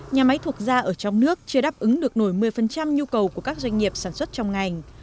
nhà máy thuộc da ở trong nước chưa đáp ứng được nổi một mươi nhu cầu của các doanh nghiệp sản xuất trong ngành